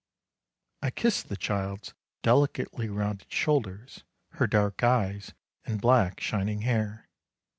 I kissed the child's delicately rounded shoulders, her dark eyes, and black shining hair.